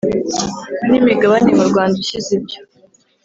n imigabane mu Rwanda ushyize ibyo